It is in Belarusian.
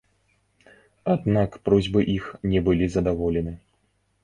Аднак просьбы іх не былі задаволены.